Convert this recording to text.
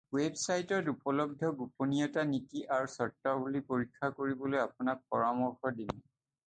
ৱেবছাইটত উপলব্ধ গোপনীয়তা নীতি আৰু চৰ্তাৱলী পৰীক্ষা কৰিবলৈ আপোনাক পৰামৰ্শ দিম।